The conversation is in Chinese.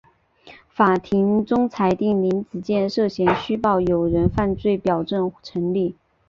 法庭终裁定林子健涉嫌虚报有人犯罪表证成立。